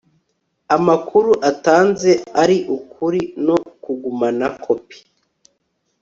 amakuru atanze ari ukuri no kugumana kopi